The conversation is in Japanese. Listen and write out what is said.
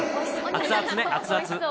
熱々ね、熱々。